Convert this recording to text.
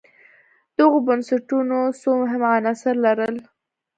دغو بنسټونو څو مهم عناصر لرل.